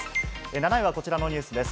７位はこちらのニュースです。